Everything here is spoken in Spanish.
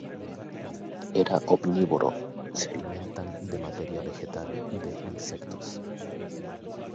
Era omnívoro, se alimentan de materia vegetal y de insectos.